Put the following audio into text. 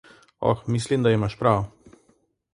Oh, mislim, da imaš prav.